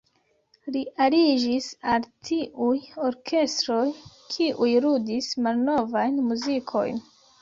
Li aliĝis al tiuj orkestroj, kiuj ludis malnovajn muzikojn.